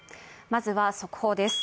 まずは、速報です。